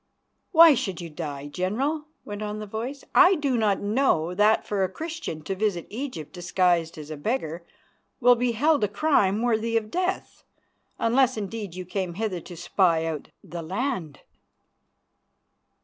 "Why should you die, General?" went on the voice. "I do not know that for a Christian to visit Egypt disguised as a beggar will be held a crime worthy of death, unless indeed you came hither to spy out the land."